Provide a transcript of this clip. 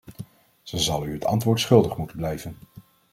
Ze zal u het antwoord schuldig moeten blijven.